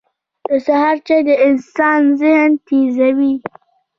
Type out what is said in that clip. • د سهار چای د انسان ذهن تیزوي.